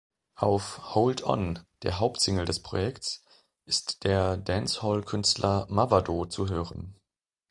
Auf „Hold On“, der Hauptsingle des Projekts, ist der Dancehall-Künstler Mavado zu hören.